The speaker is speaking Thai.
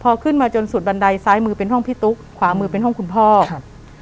พอขึ้นมาจนสุดบันไดซ้ายมือเป็นห้องพี่ตุ๊กขวามือเป็นห้องคุณพ่อครับ